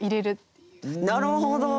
なるほど！